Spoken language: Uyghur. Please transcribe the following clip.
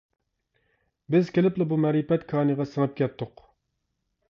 بىز كېلىپلا بۇ مەرىپەت كانىغا سىڭىپ كەتتۇق.